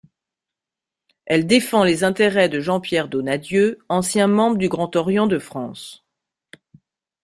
Elle défend les intérêts de Jean-Pierre Donnadieu, ancien membre du Grand Orient de France.